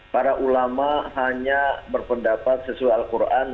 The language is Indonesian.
para ulama hanya berpendapat sesuai al quran